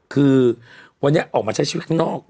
คือวันนี้ออกมาใช้ชีวิตข้างนอก